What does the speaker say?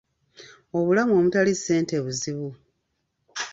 Obulamu omutali ssente buzibu.